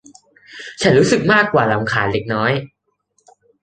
ฉันรู้สึกมากกว่ารำคาญเล็กน้อย